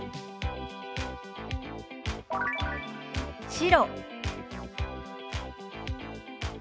「白」。